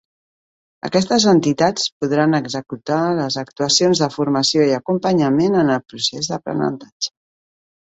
Aquestes entitats podran executar les actuacions de Formació i Acompanyament en el procés d'aprenentatge.